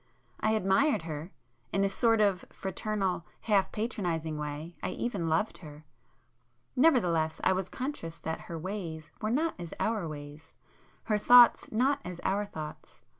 I admired her,—in a sort of fraternal half patronizing way I even loved her,—nevertheless I was conscious that her ways were not as our ways,—her thoughts not as our thoughts.